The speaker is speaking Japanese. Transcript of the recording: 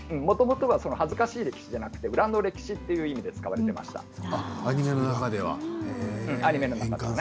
もともとは恥ずかしい歴史ではなくて裏の歴史という意味で使われていました。